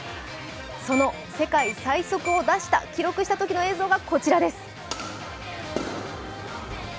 その世界最速を記録したときの映像がこちらです。